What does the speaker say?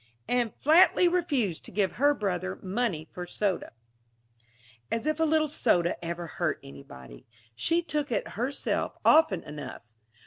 and flatly refused to give her brother money for soda. As if a little soda ever hurt anybody. She took it herself, often enough.